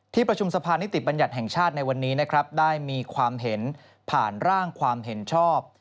ประชุมสภานิติบัญญัติแห่งชาติในวันนี้นะครับได้มีความเห็นผ่านร่างความเห็นชอบ